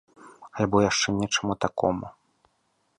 Альбо яшчэ нечаму такому.